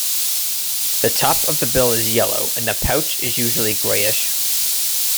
The top of the bill is yellow and the pouch is usually greyish.